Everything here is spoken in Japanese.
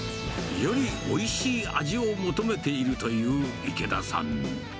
よりおいしい味を求めているという池田さん。